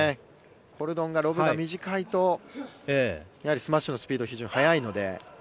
コルドンがロブが短いとスマッシュのスピードが非常に速いので。